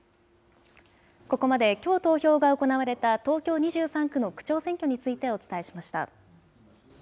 ここまできょう投票が行われた東京２３区の区長選挙についてお伝えしました。